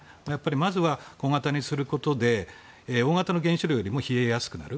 まずは小型にすることで大型の原子炉よりも冷えやすくなる。